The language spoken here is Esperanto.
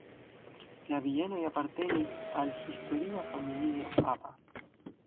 La bienoj apartenis al historia familio "Aba".